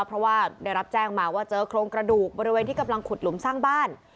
เพราะว่าได้รับแจ้งมาว่าเจอโครงกระดูกบริเวณที่กำลังขุดหลุมสร้างบ้าน